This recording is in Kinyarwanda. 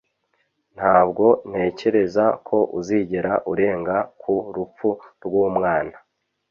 ntabwo ntekereza ko uzigera urenga ku rupfu rw'umwana